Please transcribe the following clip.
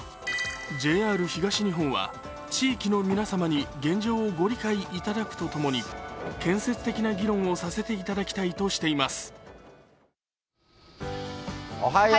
ＪＲ東日本は、地域の皆様に現状をご理解いただくとともに建設的な議論をさせていただきたいとしています。